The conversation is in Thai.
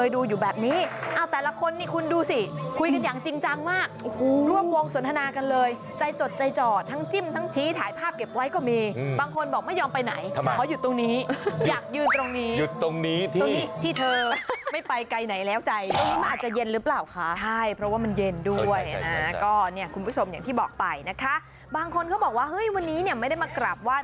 ดูอยู่แบบนี้เอ้าแต่ละคนนี่คุณดูสิคุยกันอย่างจริงจังมากร่วมวงสนทนากันเลยใจจดใจจอดทั้งจิ้มทั้งชี้ถ่ายภาพเก็บไว้ก็มีบางคนบอกไม่ยอมไปไหนเพราะอยู่ตรงนี้อยากยืนตรงนี้อยู่ตรงนี้ที่ที่เธอไม่ไปไกลไหนแล้วใจตรงนี้มันอาจจะเย็นหรือเปล่าคะใช่เพราะว่ามันเย็นด้วยนะก็เนี่ยค